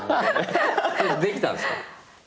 できたんすか？